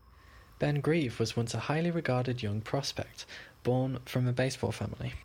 Ben Grieve was once a highly regarded young prospect, born from a baseball family.